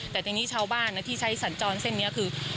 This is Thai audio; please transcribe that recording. แต่ทีนี้ชาวบ้านที่ใช้สัญจรเส้นนี้คือ